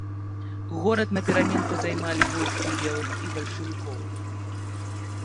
Горад напераменку займалі войскі белых і бальшавікоў.